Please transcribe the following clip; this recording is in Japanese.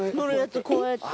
こうやって。